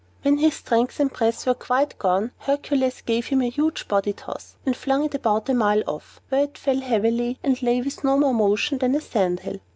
When his strength and breath were quite gone, Hercules gave his huge body a toss, and flung it about a mile off, where it fell heavily, and lay with no more motion than a sand hill.